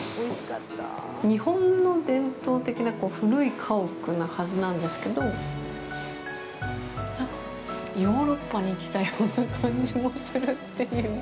日本の伝統的な古い家屋なはずなんですけど、なんか、ヨーロッパに来たような感じもするという。